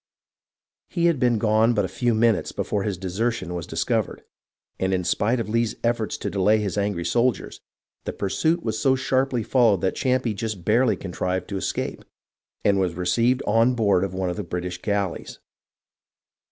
He had been gone but a few minutes before his desertion was dis covered, and in spite of Lee's efforts to delay his angry soldiers, the pursuit was so sharply followed that Champe just barely contrived to escape and was received on board of one of the British galleys.